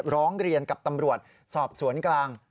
ร้องเรียนกับตำรวจสอบสวนกลาง